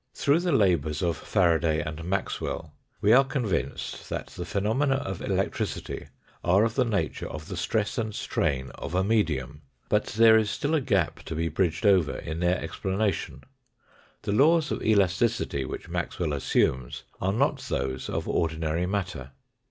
Through the labours of Faraday and Maxwell we are convinced that the phenomena of electricity are of the nature of the stress and strain of a medium ; but there is still a gap to be bridged over in their explanation the laws of elasticity, which Maxwell assumes, are not those of ordinary matter.